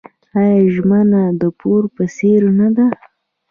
آیا ژمنه د پور په څیر نه ده؟